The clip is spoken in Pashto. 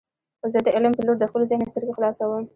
زه د علم په لور د خپل ذهن سترګې خلاصوم.